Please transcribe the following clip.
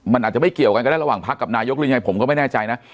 มันอาจจะไม่เกี่ยวกันก็ได้ระหว่างพักกับนายกหรือยังไงผมก็ไม่แน่ใจนะ